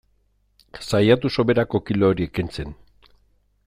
Saiatu soberako kilo horiek kentzen.